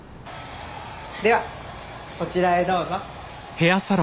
ではこちらへどうぞ。